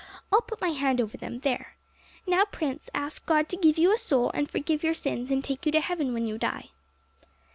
I'll put my hand over them there! Now Prince, ask God to give you a soul, and forgive your sins, and take you to heaven when you die.'